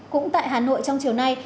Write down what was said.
cũng tại hà nội trong chiều nay